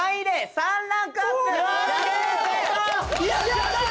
やったー！